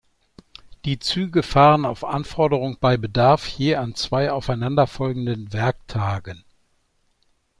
Die Züge fahren auf Anforderung bei Bedarf je an zwei aufeinanderfolgenden Werktagen.